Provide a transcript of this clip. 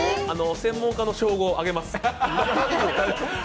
専門家の称号をあげます。